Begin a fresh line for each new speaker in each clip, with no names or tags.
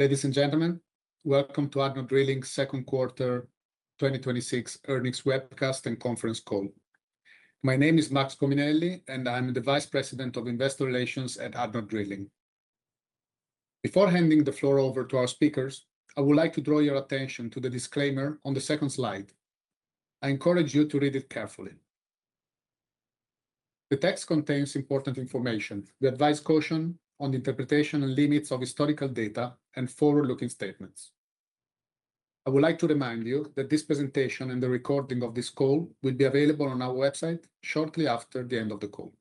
Ladies and gentlemen, welcome to ADNOC Drilling second quarter 2026 earnings webcast and conference call. My name is Matt Scominelli, and I am the Vice President of Investor Relations at ADNOC Drilling. Before handing the floor over to our speakers, I would like to draw your attention to the disclaimer on the second slide. I encourage you to read it carefully. The text contains important information. We advise caution on the interpretation and limits of historical data and forward-looking statements. I would like to remind you that this presentation and the recording of this call will be available on our website shortly after the end of the call.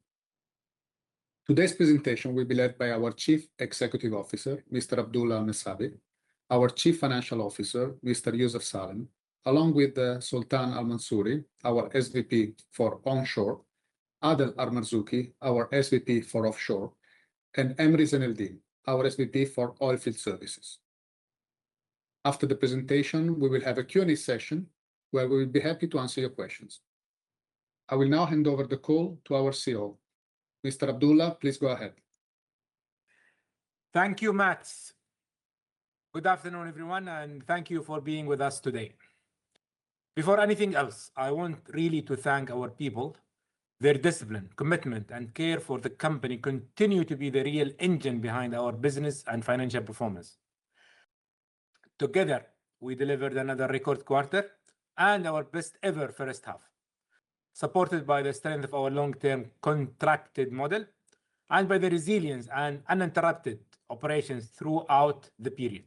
Today's presentation will be led by our Chief Executive Officer, Mr. Abdulla Al Messabi, our Chief Financial Officer, Mr. Youssef Salem, along with Sultan Al Mansoori, our SVP for Onshore, Adel Al Marzooqi, our SVP for Offshore, and Emri Zeineldin, our SVP for Oil Field Services. After the presentation, we will have a Q&A session, where we will be happy to answer your questions. I will now hand over the call to our CEO. Mr. Abdulla, please go ahead.
Thank you, Matt. Good afternoon, everyone, thank you for being with us today. Before anything else, I want really to thank our people. Their discipline, commitment, and care for the company continue to be the real engine behind our business and financial performance. Together, we delivered another record quarter and our best ever first half, supported by the strength of our long-term contracted model and by the resilience and uninterrupted operations throughout the period.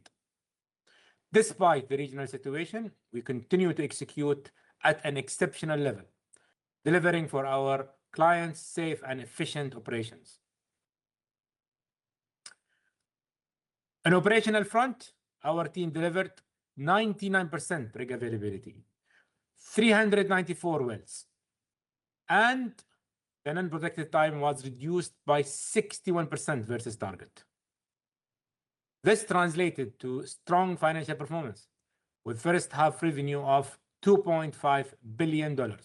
Despite the regional situation, we continue to execute at an exceptional level, delivering for our clients safe and efficient operations. On operational front, our team delivered 99% rig availability, 394 wells, and the non-productive time was reduced by 61% versus target. This translated to strong financial performance with first half revenue of $2.5 billion.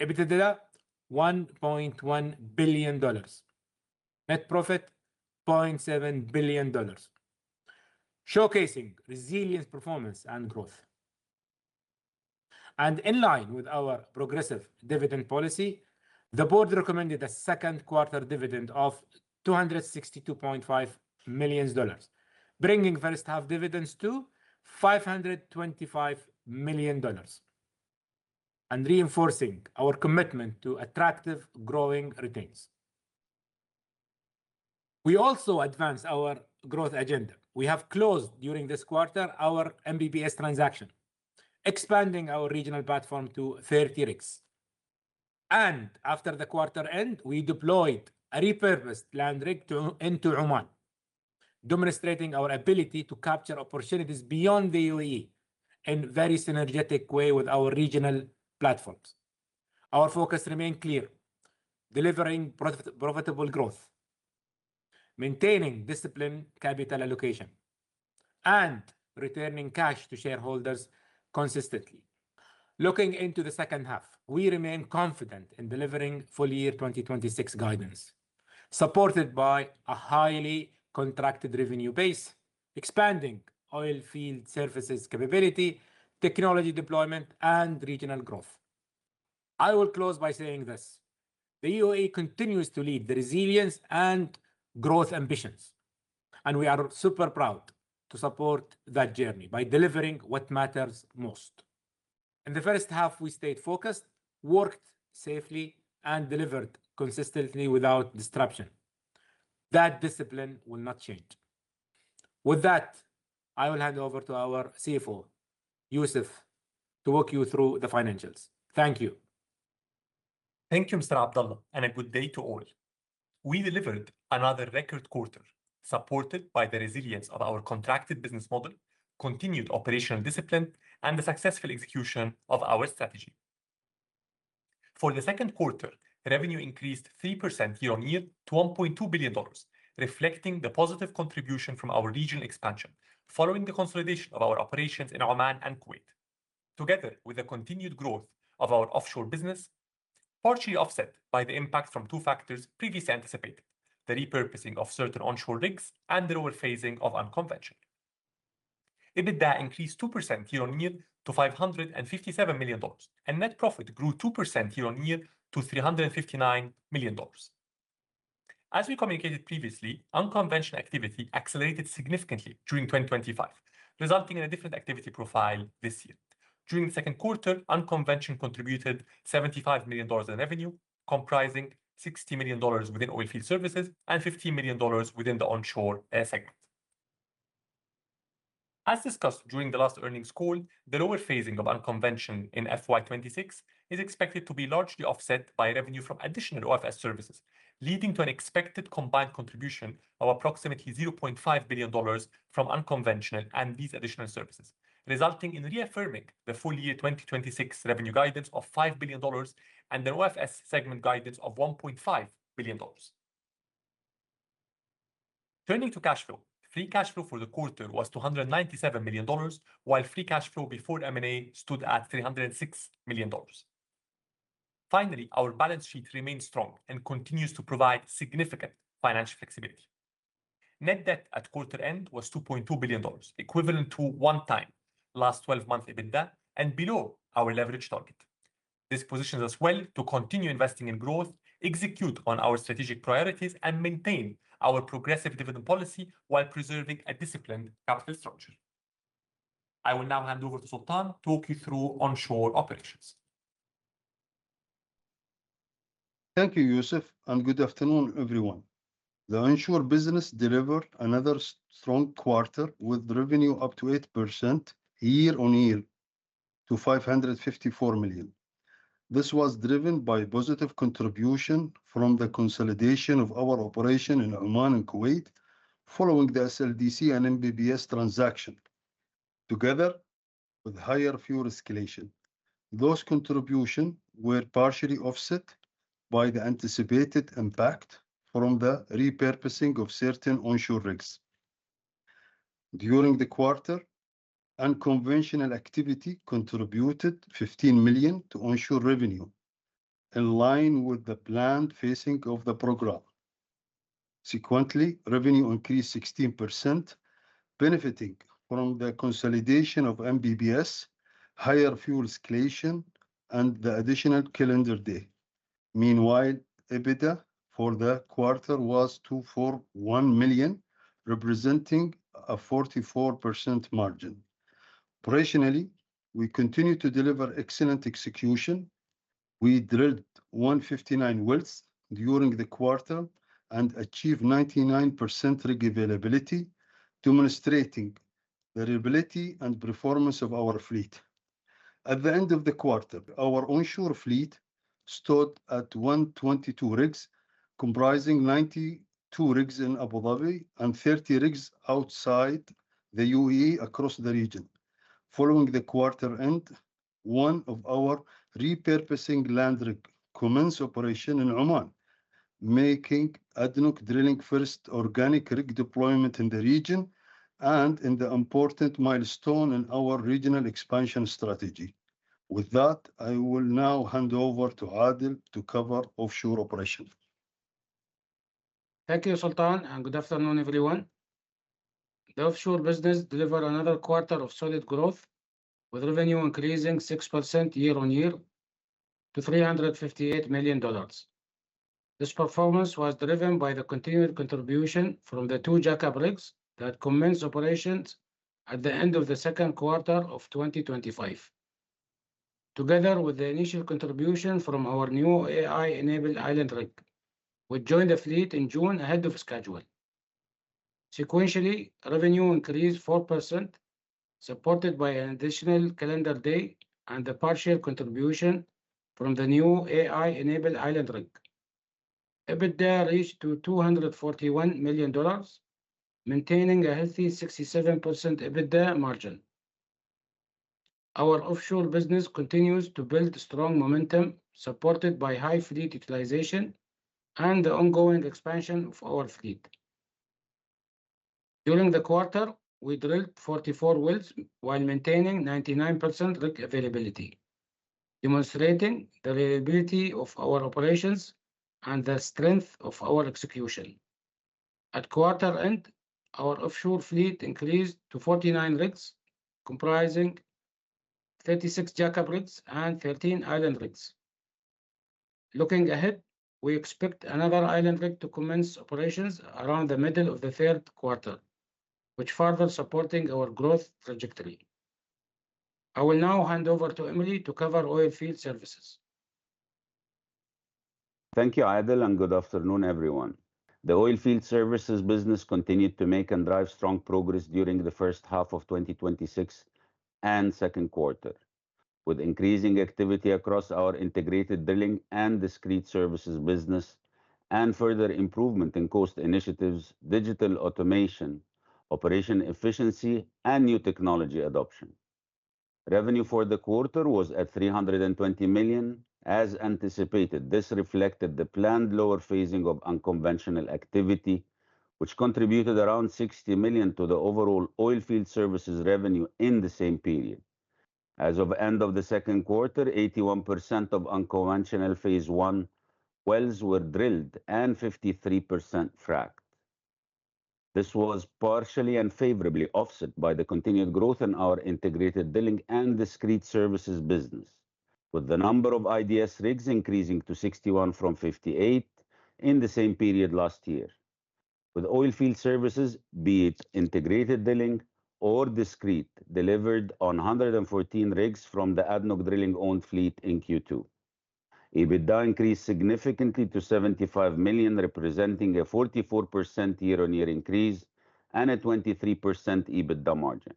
EBITDA, $1.1 billion. Net profit, $0.7 billion, showcasing resilience, performance, and growth. In line with our progressive dividend policy, the board recommended a second quarter dividend of $262.5 million, bringing first half dividends to $525 million and reinforcing our commitment to attractive growing returns. We also advanced our growth agenda. We have closed during this quarter our MBPS transaction, expanding our regional platform to 30 rigs. After the quarter end, we deployed a repurposed land rig into Oman, demonstrating our ability to capture opportunities beyond the UAE in very synergetic way with our regional platforms. Our focus remain clear: delivering profitable growth, maintaining disciplined capital allocation, and returning cash to shareholders consistently. Looking into the second half, we remain confident in delivering full year FY 2026 guidance, supported by a highly contracted revenue base, expanding oil field services capability, technology deployment, and regional growth. I will close by saying this. The U.A.E. continues to lead the resilience and growth ambitions, and we are super proud to support that journey by delivering what matters most. In the first half, we stayed focused, worked safely, and delivered consistently without disruption. That discipline will not change. With that, I will hand over to our CFO, Youssef, to walk you through the financials. Thank you.
Thank you, Mr. Abdulla, and a good day to all. We delivered another record quarter supported by the resilience of our contracted business model, continued operational discipline, and the successful execution of our strategy. For the second quarter, revenue increased 3% year-on-year to $1.2 billion, reflecting the positive contribution from our region expansion following the consolidation of our operations in Oman and Kuwait. Together with the continued growth of our offshore business, partially offset by the impact from two factors previously anticipated: the repurposing of certain onshore rigs and the lower phasing of unconventional. EBITDA increased 2% year-on-year to $557 million, and net profit grew 2% year-on-year to $359 million. As we communicated previously, unconventional activity accelerated significantly during 2025, resulting in a different activity profile this year. During the second quarter, unconventional contributed $75 million in revenue, comprising $60 million within Oil Field Services and $15 million within the Onshore segment. As discussed during the last earnings call, the lower phasing of unconventional in FY 2026 is expected to be largely offset by revenue from additional OFS services, leading to an expected combined contribution of approximately $0.5 billion from unconventional and these additional services, resulting in reaffirming the full year 2026 revenue guidance of $5 billion and the OFS segment guidance of $1.5 billion. Turning to cash flow, free cash flow for the quarter was $297 million, while free cash flow before M&A stood at $306 million. Finally, our balance sheet remains strong and continues to provide significant financial flexibility. Net debt at quarter end was $2.2 billion, equivalent to one time last 12 months EBITDA and below our leverage target. This positions us well to continue investing in growth, execute on our strategic priorities, and maintain our progressive dividend policy while preserving a disciplined capital structure. I will now hand over to Sultan to walk you through onshore operations.
Thank you, Youssef, and good afternoon, everyone. The onshore business delivered another strong quarter with revenue up 8% year-on-year to $554 million. This was driven by positive contribution from the consolidation of our operation in Oman and Kuwait following the SLDC and MBPS transaction, together with higher fuel escalation. Those contributions were partially offset by the anticipated impact from the repurposing of certain onshore rigs. During the quarter, unconventional activity contributed $15 million to onshore revenue, in line with the planned phasing of the program. Sequentially, revenue increased 16%, benefiting from the consolidation of MBPS, higher fuel escalation, and the additional calendar day. Meanwhile, EBITDA for the quarter was $241 million, representing a 44% margin. Operationally, we continue to deliver excellent execution. We drilled 159 wells during the quarter and achieved 99% rig availability, demonstrating the reliability and performance of our fleet. At the end of the quarter, our onshore fleet stood at 122 rigs, comprising 92 rigs in Abu Dhabi and 30 rigs outside the U.A.E. across the region. Following the quarter end, one of our repurposed land rigs commenced operation in Oman, making ADNOC Drilling's first organic rig deployment in the region and an important milestone in our regional expansion strategy. With that, I will now hand over to Adel to cover offshore operations.
Thank you, Sultan, and good afternoon, everyone. The offshore business delivered another quarter of solid growth, with revenue increasing 6% year-on-year to $358 million. This performance was driven by the continued contribution from the two jackup rigs that commenced operations at the end of the second quarter of 2025. Together with the initial contribution from our new AI-enabled island rig, which joined the fleet in June ahead of schedule. Sequentially, revenue increased 4%, supported by an additional calendar day and the partial contribution from the new AI-enabled island rig. EBITDA reached $241 million, maintaining a healthy 67% EBITDA margin. Our offshore business continues to build strong momentum, supported by high fleet utilization and the ongoing expansion of our fleet. During the quarter, we drilled 44 wells while maintaining 99% rig availability, demonstrating the reliability of our operations and the strength of our execution. At quarter end, our offshore fleet increased to 49 rigs, comprising 36 jackup rigs and 13 island rigs. Looking ahead, we expect another island rig to commence operations around the middle of the third quarter, which further supports our growth trajectory. I will now hand over to Emri to cover oil field services.
Thank you, Adel, and good afternoon, everyone. The oilfield services business continued to make and drive strong progress during the first half of 2026 and second quarter, with increasing activity across our integrated drilling and discrete services business and further improvement in cost initiatives, digital automation, operation efficiency, and new technology adoption. Revenue for the quarter was at $320 million. As anticipated, this reflected the planned lower phasing of unconventional activity, which contributed around $60 million to the overall oilfield services revenue in the same period. As of end of the second quarter, 81% of unconventional phase 1 wells were drilled and 53% fracked. This was partially and favorably offset by the continued growth in our integrated drilling and discrete services business, with the number of IDS rigs increasing to 61 from 58 in the same period last year. With oilfield services, be it integrated drilling or discrete, delivered on 114 rigs from the ADNOC Drilling own fleet in Q2. EBITDA increased significantly to $75 million, representing a 44% year-over-year increase and a 23% EBITDA margin.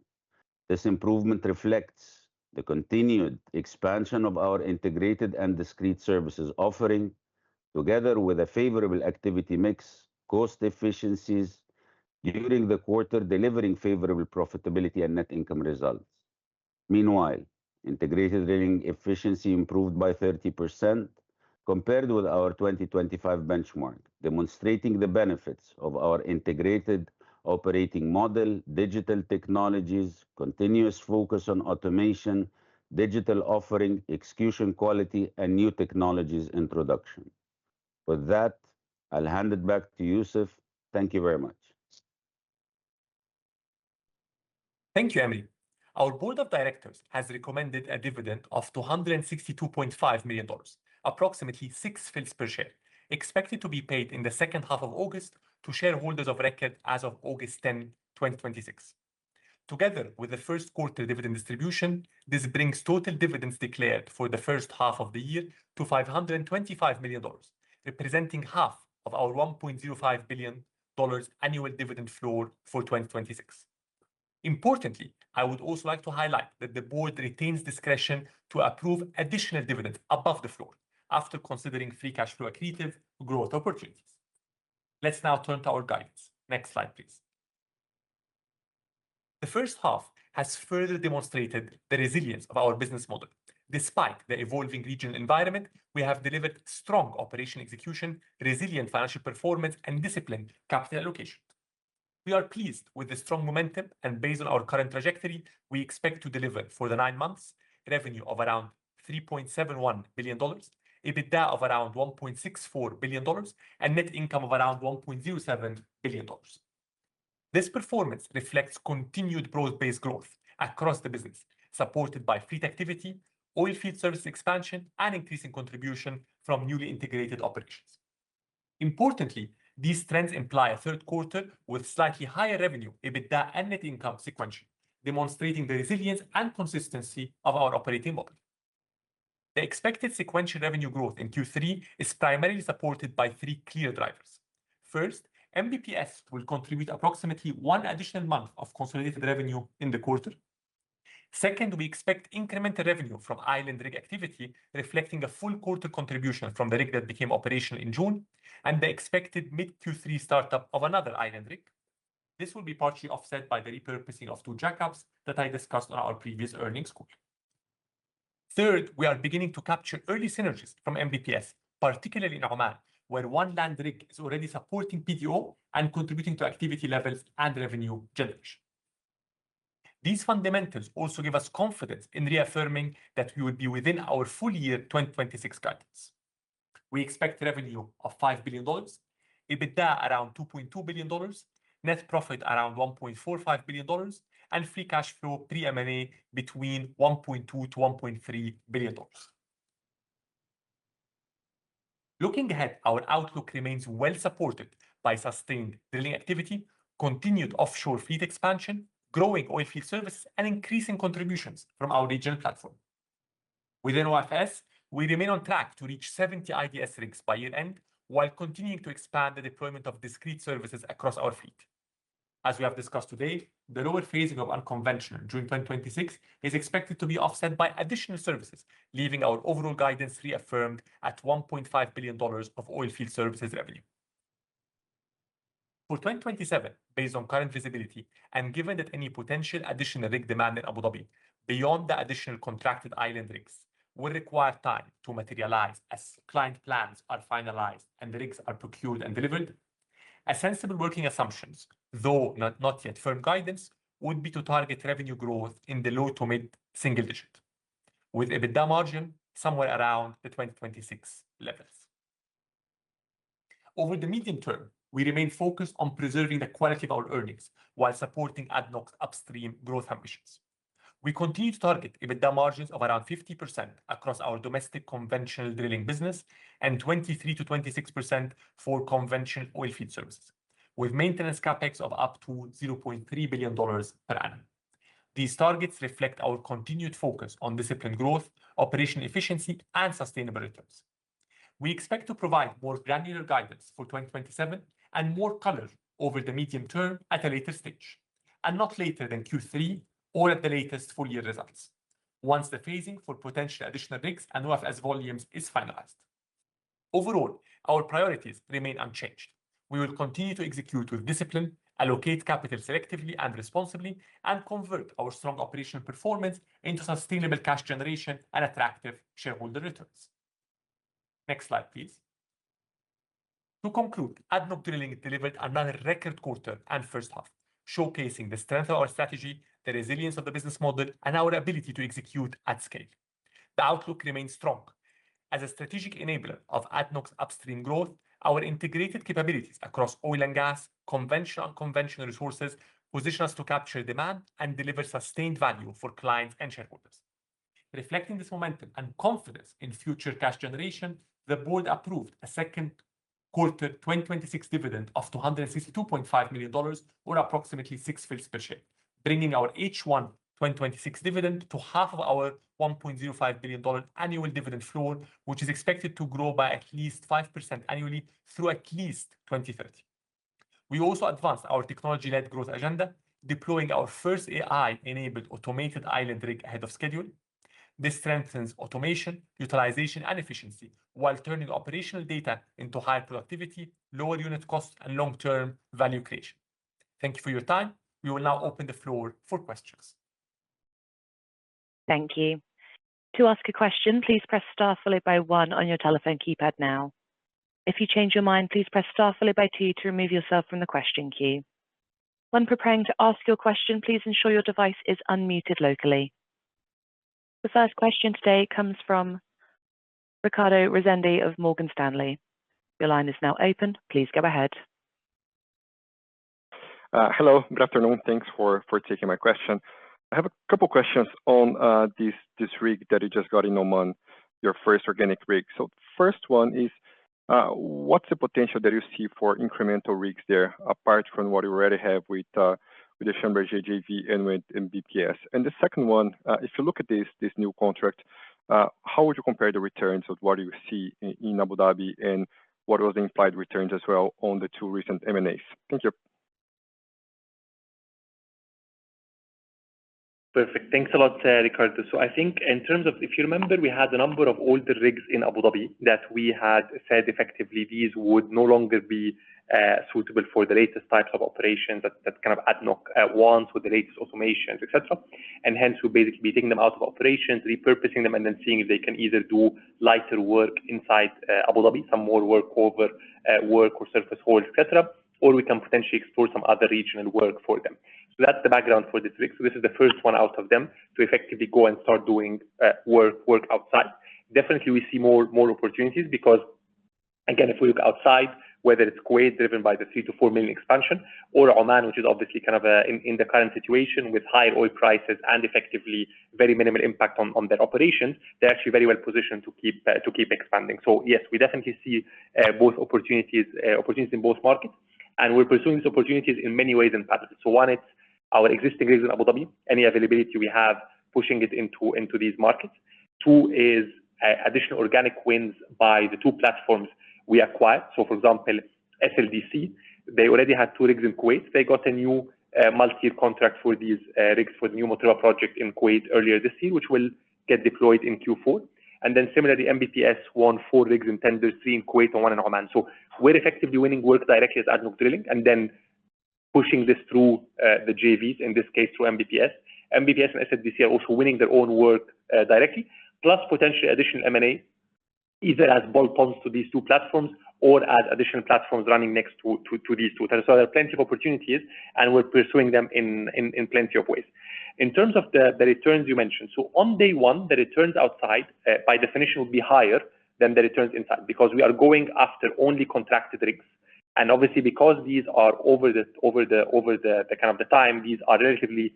This improvement reflects the continued expansion of our integrated and discrete services offering, together with a favorable activity mix cost efficiencies during the quarter, delivering favorable profitability and net income results. Meanwhile, integrated drilling efficiency improved by 30% compared with our 2025 benchmark, demonstrating the benefits of our integrated operating model, digital technologies, continuous focus on automation, digital offering, execution quality, and new technologies introduction. With that, I'll hand it back to Youssef. Thank you very much.
Thank you, Emri. Our board of directors has recommended a dividend of $262.5 million, approximately six fils per share, expected to be paid in the second half of August to shareholders of record as of August 10, 2026. Together with the first quarter dividend distribution, this brings total dividends declared for the first half of the year to $525 million, representing half of our $1.05 billion annual dividend floor for 2026. Importantly, I would also like to highlight that the board retains discretion to approve additional dividends above the floor after considering free cash flow accretive growth opportunities. Let's now turn to our guidance. Next slide, please. The first half has further demonstrated the resilience of our business model. Despite the evolving regional environment, we have delivered strong operation execution, resilient financial performance, and disciplined capital allocation. We are pleased with the strong momentum, based on our current trajectory, we expect to deliver for the nine months, revenue of around $3.71 billion, EBITDA of around $1.64 billion, and net income of around $1.07 billion. This performance reflects continued broad-based growth across the business, supported by fleet activity, oilfield service expansion, and increasing contribution from newly integrated operations. Importantly, these trends imply a third quarter with slightly higher revenue, EBITDA, and net income sequentially, demonstrating the resilience and consistency of our operating model. The expected sequential revenue growth in Q3 is primarily supported by three clear drivers. First, MBPS will contribute approximately one additional month of consolidated revenue in the quarter. Second, we expect incremental revenue from island rig activity, reflecting a full quarter contribution from the rig that became operational in June, and the expected mid Q3 startup of another island rig. This will be partially offset by the repurposing of two jackups that I discussed on our previous earnings call. Third, we are beginning to capture early synergies from MBPS, particularly in Oman, where one land rig is already supporting PDO and contributing to activity levels and revenue generation. These fundamentals also give us confidence in reaffirming that we will be within our full-year 2026 guidance. We expect revenue of $5 billion, EBITDA around $2.2 billion, net profit around $1.45 billion, and free cash flow pre M&A between $1.2 billion-$1.3 billion. Looking ahead, our outlook remains well supported by sustained drilling activity, continued offshore fleet expansion, growing oilfield service, and increasing contributions from our regional platform. Within OFS, we remain on track to reach 70 IDS rigs by year-end while continuing to expand the deployment of discrete services across our fleet. As we have discussed today, the lower phasing of unconventional during 2026 is expected to be offset by additional services, leaving our overall guidance reaffirmed at $1.5 billion of oilfield services revenue. For 2027, based on current visibility, and given that any potential additional rig demand in Abu Dhabi beyond the additional contracted island rigs will require time to materialize as client plans are finalized and the rigs are procured and delivered. A sensible working assumption, though not yet firm guidance, would be to target revenue growth in the low to mid-single digit, with EBITDA margin somewhere around the 2026 levels. Over the medium term, we remain focused on preserving the quality of our earnings while supporting ADNOC's upstream growth ambitions. We continue to target EBITDA margins of around 50% across our domestic conventional drilling business and 23%-26% for conventional oilfield services, with maintenance CapEx of up to $0.3 billion per annum. These targets reflect our continued focus on disciplined growth, operational efficiency, and sustainable returns. We expect to provide more granular guidance for 2027 and more color over the medium term at a later stage, not later than Q3 or at the latest full-year results once the phasing for potential additional rigs and OFS volumes is finalized. Overall, our priorities remain unchanged. We will continue to execute with discipline, allocate capital selectively and responsibly, and convert our strong operational performance into sustainable cash generation and attractive shareholder returns. Next slide, please. To conclude, ADNOC Drilling delivered another record quarter and first half, showcasing the strength of our strategy, the resilience of the business model, and our ability to execute at scale. The outlook remains strong. As a strategic enabler of ADNOC's upstream growth, our integrated capabilities across oil and gas, conventional and unconventional resources, positions us to capture demand and deliver sustained value for clients and shareholders. Reflecting this momentum and confidence in future cash generation, the board approved a second quarter 2026 dividend of $262.5 million, or approximately six fils per share, bringing our H1 2026 dividend to half of our $1.05 billion annual dividend floor, which is expected to grow by at least 5% annually through at least 2030. We also advanced our technology-led growth agenda, deploying our first AI-enabled automated island rig ahead of schedule. This strengthens automation, utilization, and efficiency while turning operational data into higher productivity, lower unit cost, and long-term value creation. Thank you for your time. We will now open the floor for questions.
Thank you. To ask a question, please press star followed by one on your telephone keypad now. If you change your mind, please press star followed by two to remove yourself from the question queue. When preparing to ask your question, please ensure your device is unmuted locally. The first question today comes from Ricardo Rezende of Morgan Stanley. Your line is now open. Please go ahead.
Hello. Good afternoon. Thanks for taking my question. I have a couple questions on this rig that you just got in Oman, your first organic rig. First one is, what's the potential that you see for incremental rigs there apart from what you already have with the Schlumberger JV and with MBPS? The second one, if you look at this new contract, how would you compare the returns of what you see in Abu Dhabi and what was the implied returns as well on the two recent M&As? Thank you.
Perfect. Thanks a lot, Riccardo. I think in terms of, if you remember, we had a number of older rigs in Abu Dhabi that we had said effectively these would no longer be suitable for the latest types of operations that kind of ADNOC wants with the latest automations, et cetera. Hence we'll basically be taking them out of operations, repurposing them, and then seeing if they can either do lighter work inside Abu Dhabi, some more work over work or surface holes, et cetera, or we can potentially explore some other regional work for them. That's the background for this rig. This is the first one out of them to effectively go and start doing work outside. Definitely, we see more opportunities because, again, if we look outside, whether it's Kuwait driven by the three to four million expansion or Oman, which is obviously in the current situation with higher oil prices and effectively very minimal impact on their operations, they're actually very well positioned to keep expanding. Yes, we definitely see opportunities in both markets, and we're pursuing these opportunities in many ways and patterns. One is our existing rigs in Abu Dhabi, any availability we have, pushing it into these markets. Two is additional organic wins by the two platforms we acquired. For example, SLDC, they already had two rigs in Kuwait. They got a new multi contract for these rigs for the new Matola project in Kuwait earlier this year, which will get deployed in Q4. Similarly, MBPS won four rigs and tendered three in Kuwait and one in Oman. We're effectively winning work directly as ADNOC Drilling and then pushing this through the JVs, in this case, through MBPS. MBPS and SLDC are also winning their own work directly, plus potentially additional M&A either as bolt-ons to these two platforms or as additional platforms running next to these two. There are plenty of opportunities, and we're pursuing them in plenty of ways. In terms of the returns you mentioned. On day one, the returns outside, by definition, will be higher than the returns inside because we are going after only contracted rigs. Obviously because these are over the time, these relatively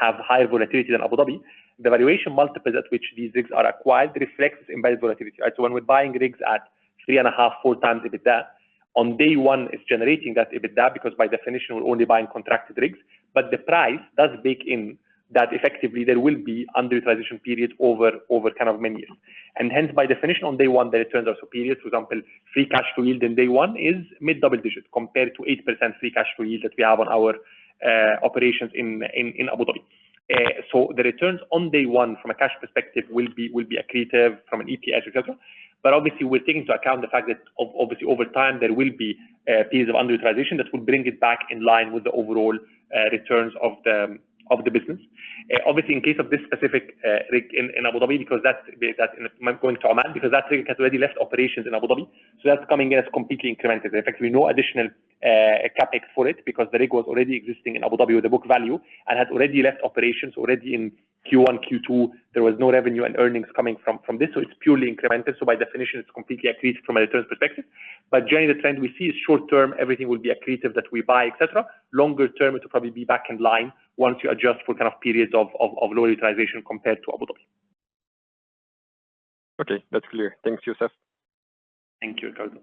have higher volatility than Abu Dhabi. The valuation multiples at which these rigs are acquired reflects implied volatility. When we're buying rigs at three and a half, four times EBITDA. On day one, it's generating that EBITDA because by definition, we're only buying contracted rigs, but the price does bake in that effectively there will be under-utilization period over many years. Hence, by definition, on day one, the returns are superior. For example, free cash flow yield on day one is mid double digits compared to 8% free cash flow yield that we have on our operations in Abu Dhabi. The returns on day one from a cash perspective will be accretive from an EPS, et cetera. Obviously, we're taking into account the fact that obviously over time, there will be periods of under-utilization that will bring it back in line with the overall returns of the business. Obviously, in case of this specific rig in Abu Dhabi because that's going to Oman because that rig has already left operations in Abu Dhabi. That's coming in as completely incremental. Effectively no additional CapEx for it because the rig was already existing in Abu Dhabi with the book value and had already left operations already in Q1, Q2. There was no revenue and earnings coming from this, it's purely incremental. By definition, it's completely accretive from a returns perspective. Generally, the trend we see is short term, everything will be accretive that we buy, et cetera. Longer term, it will probably be back in line once you adjust for periods of low utilization compared to Abu Dhabi.
Okay, that's clear. Thanks, Youssef.
Thank you, Ricardo.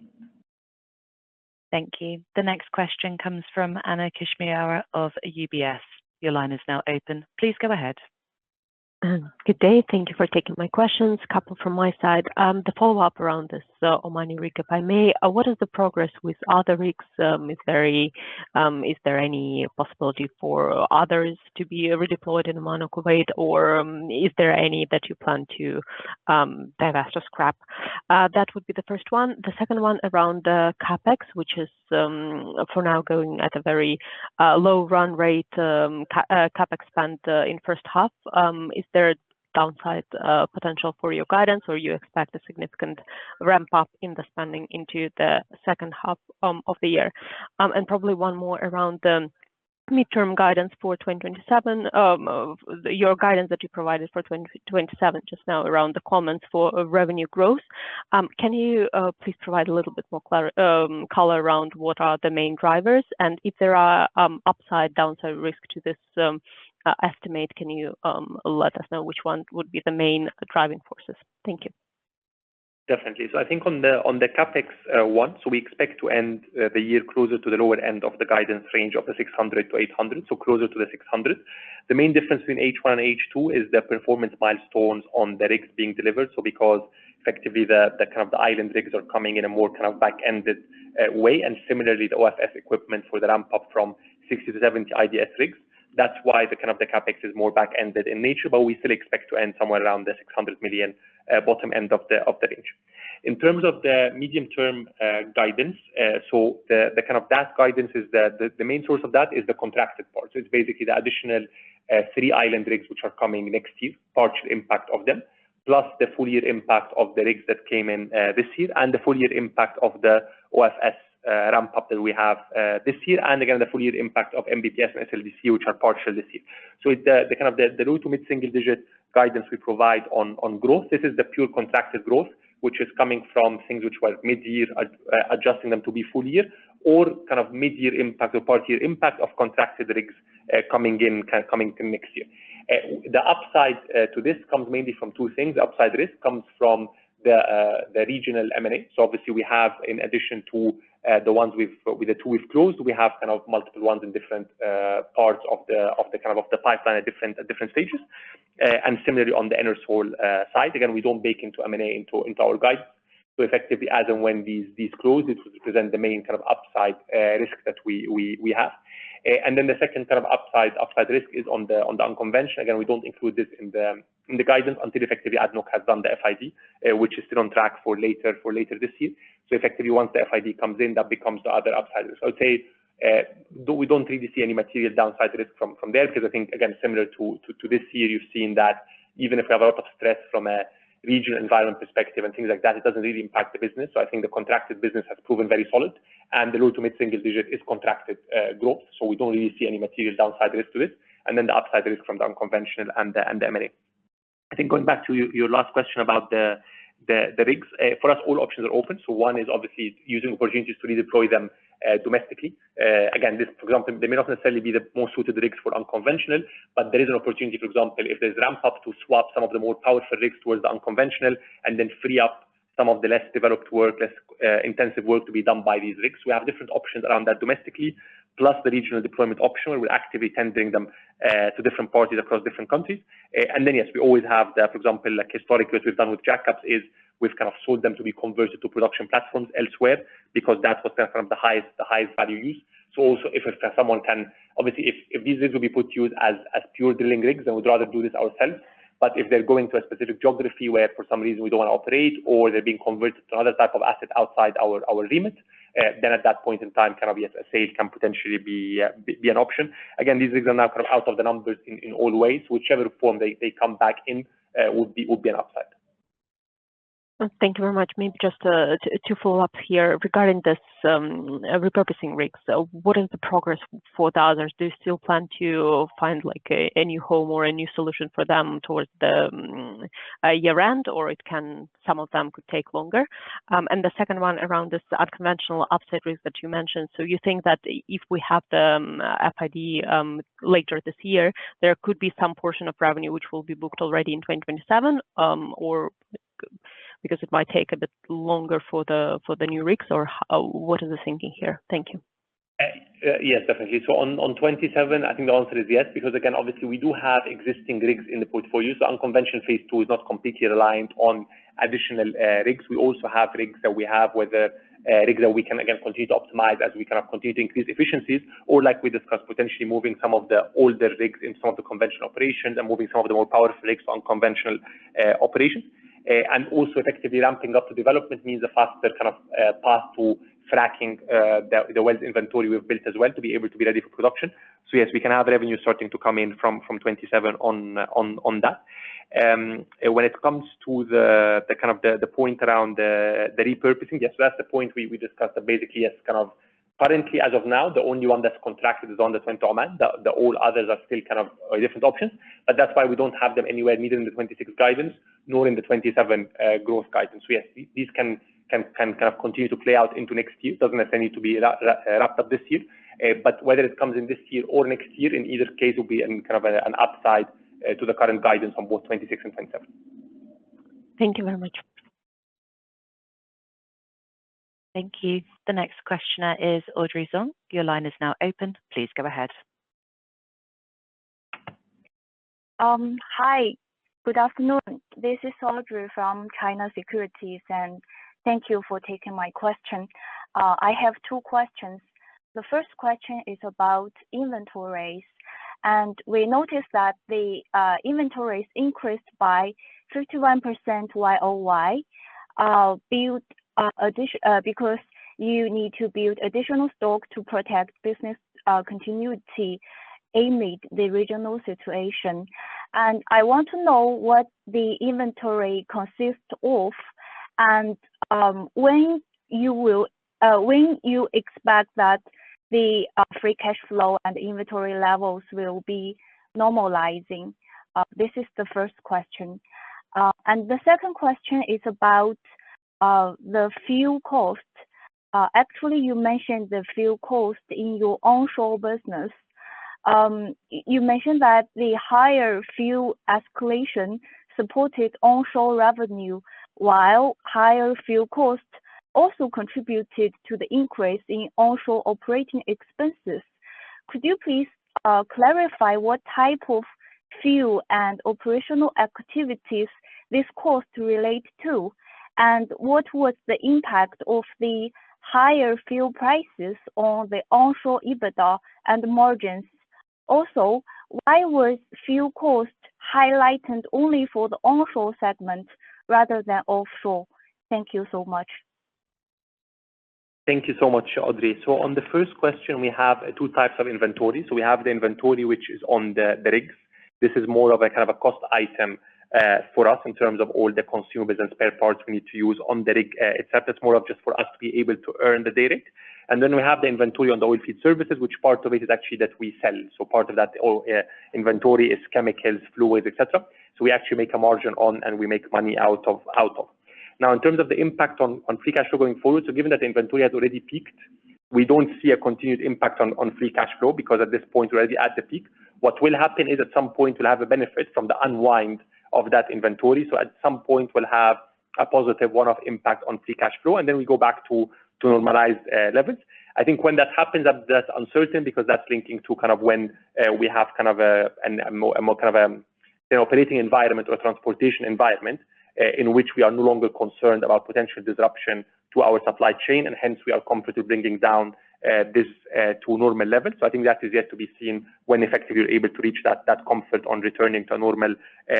Thank you. The next question comes from Anna Kashmitri of UBS. Your line is now open. Please go ahead.
Good day. Thank you for taking my questions, a couple from my side. The follow-up around this Omani rig, if I may. What is the progress with other rigs? Is there any possibility for others to be redeployed in Oman or Kuwait, or is there any that you plan to divest or scrap? That would be the first one. The second one around the CapEx, which is for now going at a very low run rate CapEx spend in first half. Is there a downside potential for your guidance, or you expect a significant ramp up in the spending into the second half of the year? Probably one more around the midterm guidance for 2027. Your guidance that you provided for 2027 just now around the comments for revenue growth. Can you please provide a little bit more color around what are the main drivers, and if there are upside, downside risk to this estimate, can you let us know which one would be the main driving forces? Thank you.
Definitely. I think on the CapEx one, we expect to end the year closer to the lower end of the guidance range of $600-$800, closer to the $600. The main difference between H1 and H2 is the performance milestones on the rigs being delivered. Because effectively the island rigs are coming in a more back-ended way, and similarly, the OFS equipment for the ramp up from 60-70 IDS rigs. That's why the CapEx is more back-ended in nature, but we still expect to end somewhere around the $600 million bottom end of the range. In terms of the medium-term guidance, the kind of that guidance is that the main source of that is the contracted part. It's basically the additional three island rigs which are coming next year, partial impact of them, plus the full year impact of the rigs that came in this year and the full year impact of the OFS ramp-up that we have this year, and again, the full year impact of MBPS and SLDC, which are partial this year. It's the low to mid-single digit guidance we provide on growth. This is the pure contracted growth, which is coming from things which was mid-year, adjusting them to be full year, or mid-year impact or part-year impact of contracted rigs coming in next year. The upside to this comes mainly from two things. The upside risk comes from the regional M&A. Obviously we have, in addition to the two we've closed, we have kind of multiple ones in different parts of the pipeline at different stages. Similarly, on the Enersol side. Again, we don't bake M&A into our guides. Effectively, as and when these close, this will present the main upside risk that we have. Then the second upside risk is on the unconventional. Again, we don't include this in the guidance until effectively ADNOC has done the FID, which is still on track for later this year. Effectively, once the FID comes in, that becomes the other upside risk. I would say, we don't really see any material downside risk from there because I think, again, similar to this year, you've seen that even if we have a lot of stress from a regional environment perspective and things like that, it doesn't really impact the business. I think the contracted business has proven very solid, and the low to mid-single digit is contracted growth. We don't really see any material downside risk to it. The upside risk from the unconventional and the M&A. Going back to your last question about the rigs. For us, all options are open. One is obviously using opportunities to redeploy them domestically. For example, they may not necessarily be the most suited rigs for unconventional, but there is an opportunity, for example, if there's ramp up to swap some of the more powerful rigs towards the unconventional and then free up some of the less developed work, less intensive work to be done by these rigs. We have different options around that domestically, plus the regional deployment option where we're actively tendering them to different parties across different countries. Yes, we always have the, for example, like historically what we've done with jackups is we've kind of sold them to be converted to production platforms elsewhere because that's what's kind of the highest value use. Also if someone can obviously, if these rigs will be put to use as pure drilling rigs, then we'd rather do this ourselves. If they're going to a specific geography where for some reason we don't want to operate or they're being converted to another type of asset outside our remit, then at that point in time, a sale can potentially be an option. These rigs are now out of the numbers in all ways. Whichever form they come back in will be an upside.
Thank you very much. Maybe just two follow-ups here regarding this repurposing rigs. What is the progress for the others? Do you still plan to find a new home or a new solution for them towards the year-end? Or some of them could take longer? The second one around this unconventional upside risk that you mentioned. You think that if we have the FID later this year, there could be some portion of revenue which will be booked already in 2027? Or because it might take a bit longer for the new rigs? What is the thinking here? Thank you.
Yes, definitely. On 2027, I think the answer is yes. Again, obviously we do have existing rigs in the portfolio. Unconventional phase II is not completely reliant on additional rigs. We also have rigs that we have with the rigs that we can again continue to optimize as we continue to increase efficiencies or, like we discussed, potentially moving some of the older rigs in some of the conventional operations and moving some of the more powerful rigs to unconventional operations. Also effectively ramping up the development means a faster path to fracking the wells inventory we've built as well to be able to be ready for production. Yes, we can have revenue starting to come in from 2027 on that. When it comes to the point around the repurposing, yes. That's the point we discussed that basically, yes. Currently, as of now, the only one that's contracted is under Saint Roman. All others are still kind of different options. That is why we don't have them anywhere, neither in the 2026 guidance nor in the 2027 growth guidance. Yes, these can continue to play out into next year. It doesn't necessarily need to be wrapped up this year. Whether it comes in this year or next year, in either case will be an upside to the current guidance on both 2026 and 2027.
Thank you very much.
Thank you. The next questioner is Audrey Zong. Your line is now open. Please go ahead.
Hi. Good afternoon. This is Audrey from China Securities, and thank you for taking my question. I have two questions. The first question is about inventories. We noticed that the inventories increased by 51% year-over-year. Because you need to build additional stock to protect business continuity amid the regional situation. I want to know what the inventory consists of and when you expect that the free cash flow and inventory levels will be normalizing? This is the first question. The second question is about the fuel cost. Actually, you mentioned the fuel cost in your onshore business. You mentioned that the higher fuel escalation supported onshore revenue, while higher fuel costs also contributed to the increase in onshore operating expenses. Could you please clarify what type of fuel and operational activities this cost relate to? What was the impact of the higher fuel prices on the onshore EBITDA and margins? Why was fuel cost highlighted only for the onshore segment rather than offshore? Thank you so much.
Thank you so much, Audrey. On the first question, we have 2 types of inventory. We have the inventory, which is on the rigs. This is more of a cost item for us in terms of all the consumables and spare parts we need to use on the rig, et cetera. It's more of just for us to be able to earn the day rate. We have the inventory on the oil field services, which part of it is actually that we sell. Part of that inventory is chemicals, fluids, et cetera. We actually make a margin on and we make money out of. In terms of the impact on free cash flow going forward, given that the inventory has already peaked, we don't see a continued impact on free cash flow because at this point, we're already at the peak. What will happen is at some point, we'll have a benefit from the unwind of that inventory. At some point, we'll have a positive one-off impact on free cash flow, we go back to normalized levels. I think when that happens, that's uncertain because that's linking to when we have a more operating environment or transportation environment in which we are no longer concerned about potential disruption to our supply chain, and hence we are comfortable bringing down this to a normal level. I think that is yet to be seen when effectively you're able to reach that comfort on returning to a normal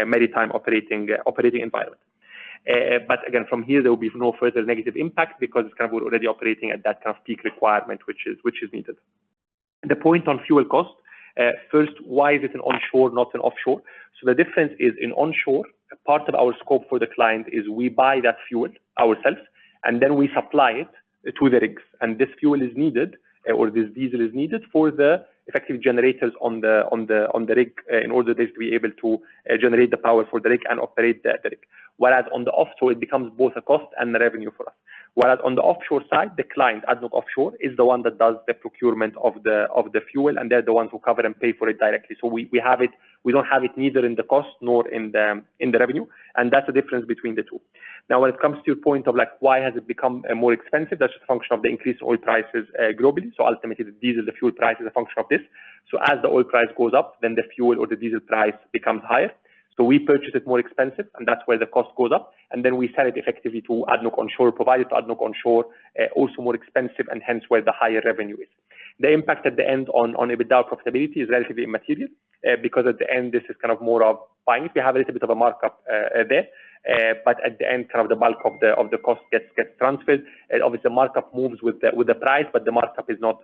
maritime operating environment. From here, there will be no further negative impact because we're already operating at that peak requirement, which is needed. The point on fuel cost. First, why is it an onshore, not an offshore? The difference is in onshore, part of our scope for the client is we buy that fuel ourselves, and then we supply it to the rigs, and this fuel is needed, or this diesel is needed for the effective generators on the rig in order for this to be able to generate the power for the rig and operate the rig. Whereas on the offshore, it becomes both a cost and a revenue for us. Whereas on the offshore side, the client, ADNOC Offshore, is the one that does the procurement of the fuel, and they're the ones who cover and pay for it directly. We don't have it either in the cost nor in the revenue, and that's the difference between the two. When it comes to your point of why has it become more expensive, that's just a function of the increased oil prices globally. Ultimately, the diesel, the fuel price is a function of this. As the oil price goes up, then the fuel or the diesel price becomes higher. We purchase it more expensive, and that's where the cost goes up. Then we sell it effectively to ADNOC Onshore, provide it to ADNOC Onshore, also more expensive, and hence where the higher revenue is. The impact at the end on EBITDA profitability is relatively immaterial because at the end, this is more of buying. We have a little bit of a markup there. At the end, the bulk of the cost gets transferred. Obviously, markup moves with the price, but the markup is not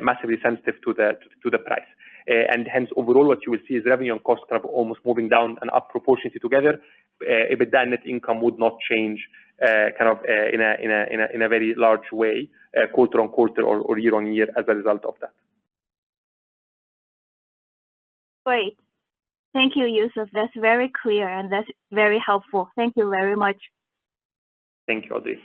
massively sensitive to the price. Hence, overall, what you will see is revenue and cost almost moving down and up proportionately together. EBITDA net income would not change in a very large way quarter-on-quarter or year-on-year as a result of that.
Great. Thank you, Youssef. That's very clear and that's very helpful. Thank you very much.
Thank you, Audrey.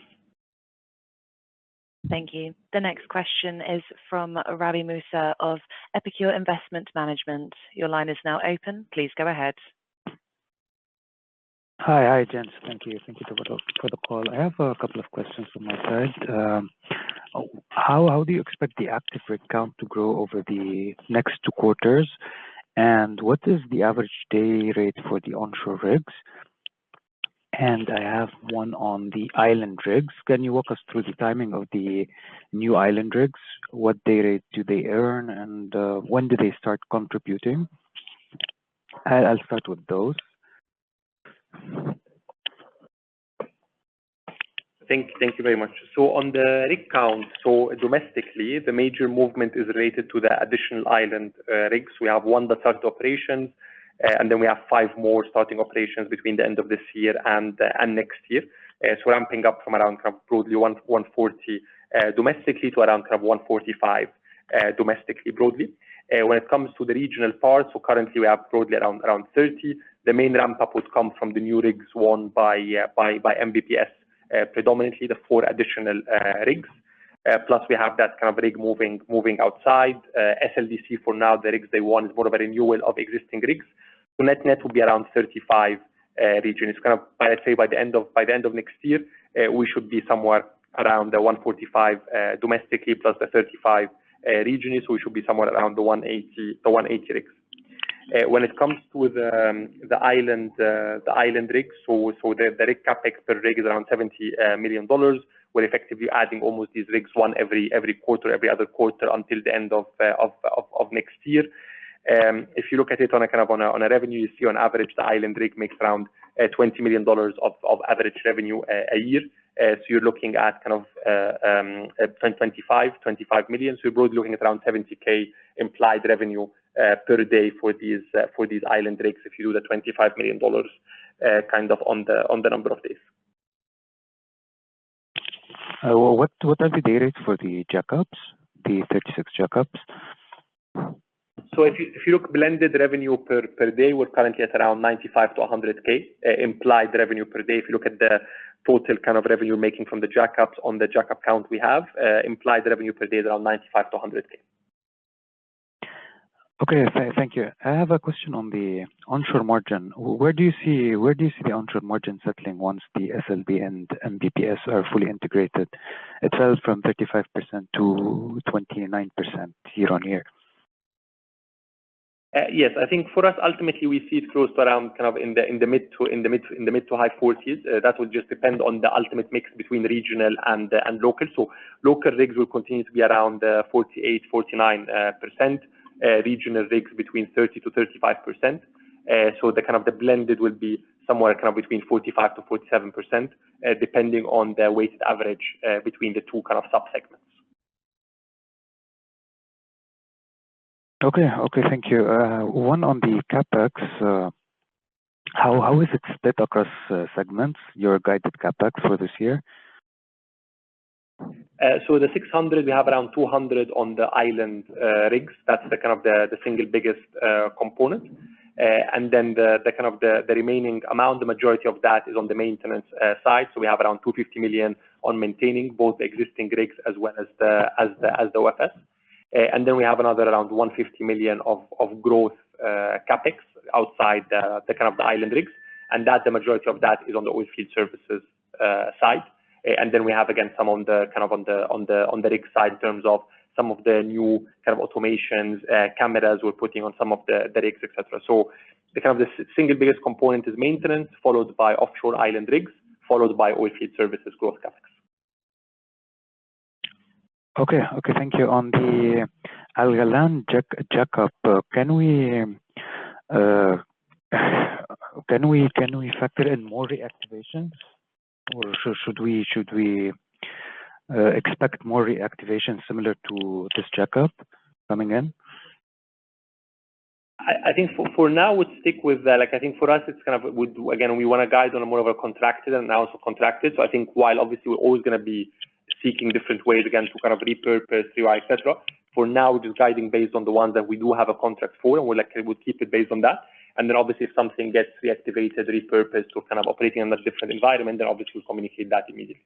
Thank you. The next question is from Rabih Moussa of Epicure Investment Management. Your line is now open. Please go ahead.
Hi, gents. Thank you. Thank you for the call. I have a couple of questions from my side. How do you expect the active rig count to grow over the next two quarters? What is the average day rate for the onshore rigs? I have one on the island rigs. Can you walk us through the timing of the new island rigs? What day rate do they earn and when do they start contributing? I will start with those.
Thank you very much. On the rig count, domestically, the major movement is related to the additional island rigs. We have one that started operations, and then we have five more starting operations between the end of this year and next year. Ramping up from around broadly 140 domestically to around 145 domestically, broadly. When it comes to the regional part, currently we have broadly around 30. The main ramp-up would come from the new rigs won by MBPS, predominantly the four additional rigs. We have that rig moving outside. SLDC for now, the rigs they won is more of a renewal of existing rigs. Net net will be around 35 region. I would say by the end of next year, we should be somewhere around the 145 domestically plus the 35 regionally. We should be somewhere around the 180 rigs. When it comes to the island rigs, the rig CapEx per rig is around $70 million. We're effectively adding almost these rigs one every quarter, every other quarter until the end of next year. If you look at it on a revenue, you see on average, the island rig makes around $20 million of average revenue a year. You're looking at $25 million. You're broadly looking at around $70K implied revenue per day for these island rigs if you do the $25 million on the number of days.
What are the day rates for the jackups, the 36 jackups?
If you look blended revenue per day, we're currently at around $95K-$100K implied revenue per day. If you look at the total revenue making from the jackups on the jackup count we have, implied revenue per day is around $95K-$100K.
Okay. Thank you. I have a question on the onshore margin. Where do you see the onshore margin settling once the SLB and MBPS are fully integrated? It fell from 35%-29% year-on-year.
Yes, I think for us, ultimately, we see it close to around in the mid-to-high 40s. That will just depend on the ultimate mix between regional and local. Local rigs will continue to be around 48%-49%. Regional rigs between 30%-35%. The blended will be somewhere between 45%-47%, depending on the weighted average between the two sub-segments.
Okay. Thank you. One on the CapEx. How is it split across segments, your guided CapEx for this year?
The $600, we have around $200 on the island rigs. That is the single biggest component. Then the remaining amount, the majority of that is on the maintenance side. We have around $250 million on maintaining both existing rigs as well as the OFS. Then we have another around $150 million of growth CapEx outside the island rigs, and the majority of that is on the oil field services side. Then we have, again, some on the rig side in terms of some of the new automations, cameras we are putting on some of the rigs, et cetera. The single biggest component is maintenance, followed by offshore island rigs, followed by oil field services growth CapEx.
Okay. Thank you. On the Al Ghallan jackup, can we factor in more reactivations or should we expect more reactivation similar to this jackup coming in?
I think for now we'll stick with that. I think for us, again, we want to guide on more of a contracted and also contracted. While obviously we're always going to be seeking different ways, again, to repurpose, et cetera, for now, we're just guiding based on the ones that we do have a contract for, and we will keep it based on that. Obviously, if something gets reactivated, repurposed, or operating in a different environment, then obviously we'll communicate that immediately.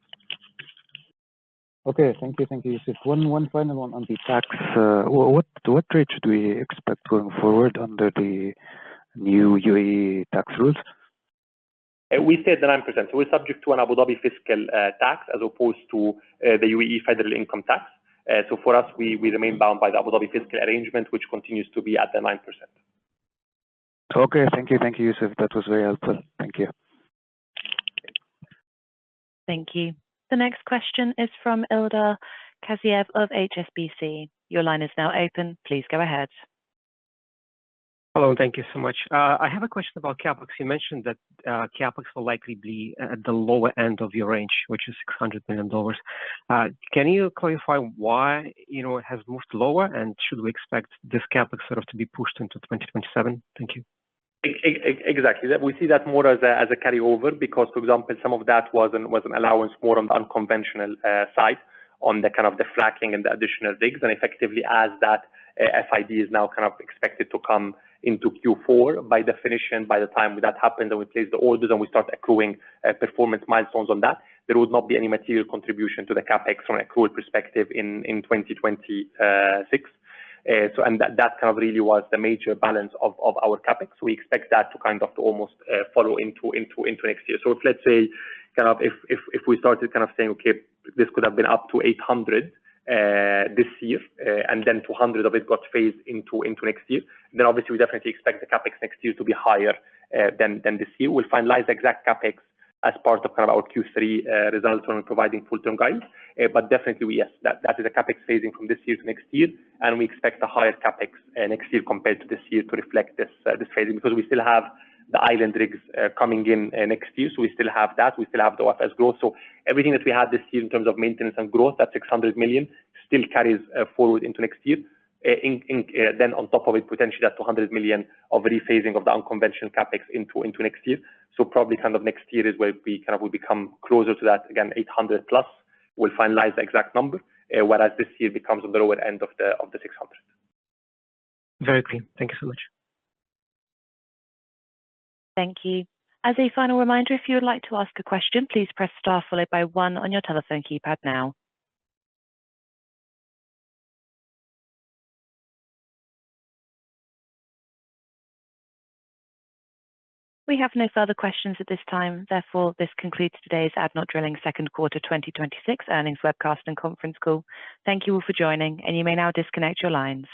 Okay. Thank you, Youssef. One final one on the tax. What rate should we expect going forward under the new UAE tax rules?
We said the 9%. We're subject to an Abu Dhabi fiscal tax as opposed to the UAE federal income tax. For us, we remain bound by the Abu Dhabi fiscal arrangement, which continues to be at the 9%.
Okay. Thank you, Youssef. That was very helpful. Thank you.
Thank you. The next question is from Ildar Kasiev of HSBC. Your line is now open. Please go ahead.
Hello, thank you so much. I have a question about CapEx. You mentioned that CapEx will likely be at the lower end of your range, which is $600 million. Can you clarify why it has moved lower, and should we expect this CapEx to be pushed into 2027? Thank you.
Exactly. We see that more as a carryover because, for example, some of that was an allowance more on the unconventional side on the fracking and the additional rigs. Effectively as that FID is now expected to come into Q4, by definition, by the time that happens and we place the orders and we start accruing performance milestones on that, there would not be any material contribution to the CapEx from an accrued perspective in 2026. That really was the major balance of our CapEx. We expect that to almost follow into next year. If, let's say, if we started saying, okay, this could have been up to $800 this year, $200 of it got phased into next year, obviously we definitely expect the CapEx next year to be higher than this year. We'll finalize the exact CapEx as part of our Q3 results when we're providing full-term guidance. Definitely, yes, that is a CapEx phasing from this year to next year, we expect a higher CapEx next year compared to this year to reflect this phasing. We still have the island rigs coming in next year, we still have that. We still have the OFS growth. Everything that we had this year in terms of maintenance and growth, that $600 million, still carries forward into next year. On top of it, potentially that $200 million of rephasing of the unconventional CapEx into next year. Probably next year is where we will become closer to that, again, $800-plus. We'll finalize the exact number. Whereas this year becomes the lower end of the $600.
Very clear. Thank you so much.
Thank you. As a final reminder, if you would like to ask a question, please press star followed by one on your telephone keypad now. We have no further questions at this time. Therefore, this concludes today's ADNOC Drilling second quarter 2026 earnings webcast and conference call. Thank you all for joining, and you may now disconnect your lines.